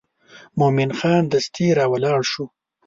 مومن خان دستي راولاړ شو.